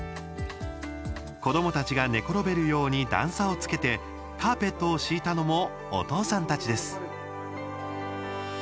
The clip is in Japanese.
子どもたちが寝転べるように段差をつけてカーペットを敷いたのもお父さんたちです。